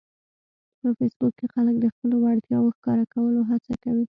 په فېسبوک کې خلک د خپلو وړتیاوو ښکاره کولو هڅه کوي